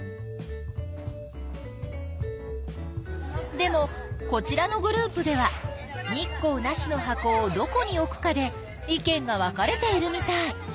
でもこちらのグループでは日光なしの箱をどこに置くかで意見が分かれているみたい。